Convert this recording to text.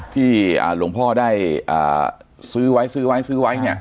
ที่หลวงพ่อได้ซื้อไว้ซื้อไว้ซื้อไว้เนี่ย